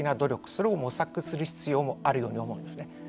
それを模索する必要もあるように思うんですね。